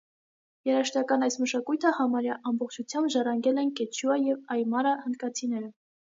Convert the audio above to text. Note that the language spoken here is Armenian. Երաժշտական այս մշակույթը համարյա ամբողջությամբ ժառանգել են կեչուա և այմարա հնդկացիները։